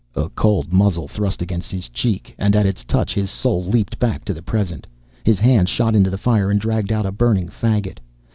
A cold muzzle thrust against his cheek, and at its touch his soul leaped back to the present. His hand shot into the fire and dragged out a burning faggot.